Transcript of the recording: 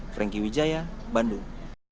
frankie wijaya bandung